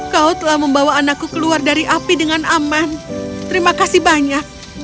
kau telah membawa anakku keluar dari api dengan aman terima kasih banyak